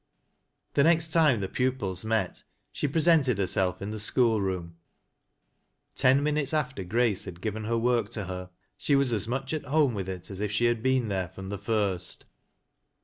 The next time the pupils met, she presented herself in the school room. Ten minutes after Grace had given her work to her she was as much at home with it as if she had been there from the first.